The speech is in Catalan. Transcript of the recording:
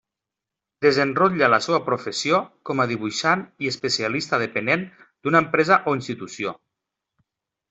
Desenrotlla la seua professió com a dibuixant i especialista dependent d'una empresa o institució.